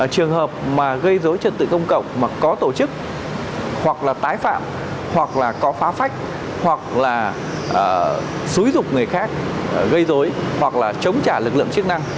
trường hợp mà gây dối trật tự công cộng mà có tổ chức hoặc là tái phạm hoặc là có phá phách hoặc là xúi dục người khác gây dối hoặc là chống trả lực lượng chức năng